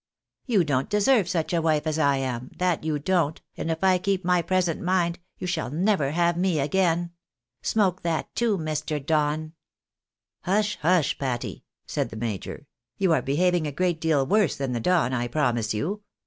You don't deserve such a wife as I am, that you don't, and if I keep my present my mind, you shall never have me again. Smoke that too, Mr. Don." " Hush, hush, Patty," said the major, " you are behaving a great deal worse than the Don, I promise you.